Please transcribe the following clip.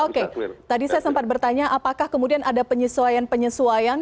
oke tadi saya sempat bertanya apakah kemudian ada penyesuaian penyesuaian